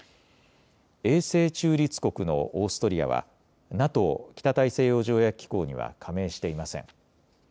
永世中立国のオーストリアはＮＡＴＯ・北大西洋条約機構には加盟していません。